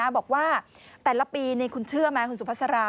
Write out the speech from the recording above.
บอกว่าแต่ละปีคุณเชื่อไหมคุณสุภาษา